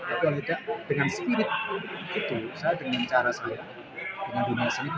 tapi dengan spirit itu dengan cara saya dengan dunia saya